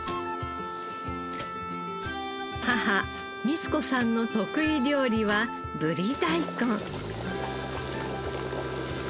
母満子さんの得意料理はブリ大根。